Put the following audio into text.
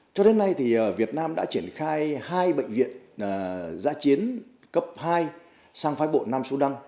cho đến nay việt nam đã triển khai hai bệnh viện giã chiến cấp hai sang phái bộ nam sudan